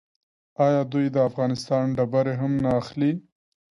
آیا دوی د افغانستان ډبرې هم نه اخلي؟